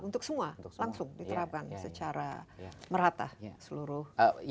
untuk semua langsung diterapkan secara merata seluruh